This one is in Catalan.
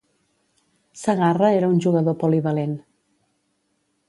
Segarra era un jugador polivalent.